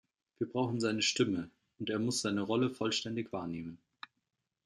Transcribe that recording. Wir brauchen seine Stimme, und er muss seine Rolle vollständig wahrnehmen.